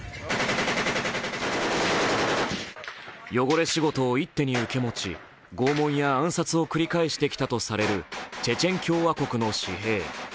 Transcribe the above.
汚れ仕事を一手に受け持ち拷問や暗殺を繰り返してきたとされるチェチェン共和国の私兵。